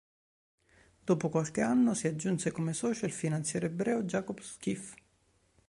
Dopo qualche anno, si aggiunse come socio il finanziere ebreo Jacob Schiff.